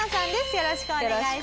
よろしくお願いします。